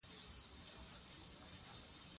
په افغانستان کې د زراعت تاریخ ډېر اوږد دی.